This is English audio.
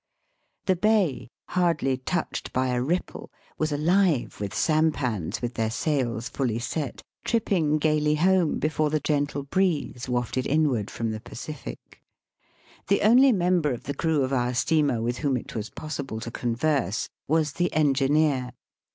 The bay, hardly touched by a ripple, was alive with sampans with their sails fully set, tripping gaily home before the gentle breeze wafted inward from the Pacific. The only member of the crew of our steamer with whom it was possible to converse was the engineer.